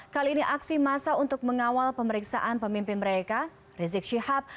kali ini aksi masa untuk mengawal pemeriksaan pemimpin mereka rizik syihab